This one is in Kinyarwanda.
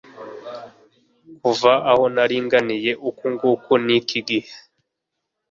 kuva aho nari nganiye uku nguku ni iki gihe